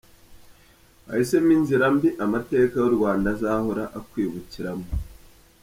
Wahisemo inzira mbi amateka yu Rwanda azahora akwibukiramo.